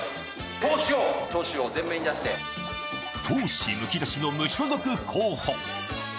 闘志むき出しの無所属候補。